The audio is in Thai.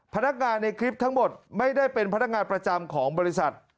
พนักงานในคลิปทั้งหมดไม่ได้เป็นพนักงานประจำของบริษัท